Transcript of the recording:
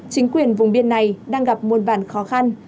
chính quyền vùng biên này đang gặp môn bản khó khăn